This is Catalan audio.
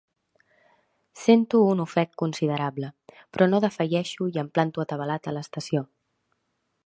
Sento un ofec considerable, però no defalleixo i em planto atabalat a l'estació.